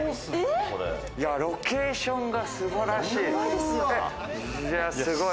ロケーションが素晴らしい！